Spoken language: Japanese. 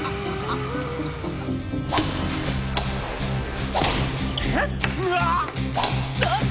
あっ。